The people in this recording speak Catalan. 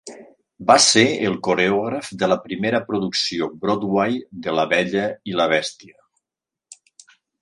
Va ser el coreògraf de la primera producció Broadway de "La bella i la bèstia".